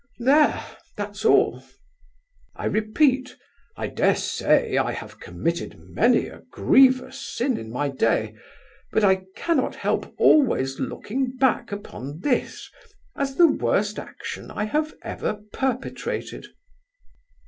There, that's all. I repeat I dare say I have committed many a grievous sin in my day; but I cannot help always looking back upon this as the worst action I have ever perpetrated."